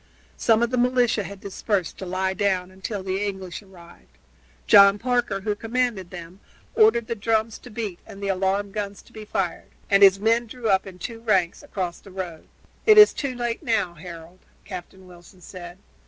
Some of the militia had dispersed to lie down until the English arrived. John Parker, who commanded them, ordered the drums to beat and the alarm guns to be fired, and his men drew up in two ranks across the road. "It is too late now, Harold," Captain Wilson said.